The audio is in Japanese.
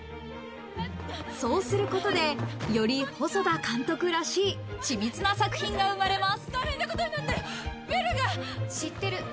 そうすることで、より細田監督らしい緻密な作品が生まれます。